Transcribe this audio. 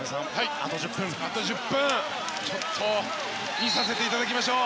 あと１０分見させていただきましょう！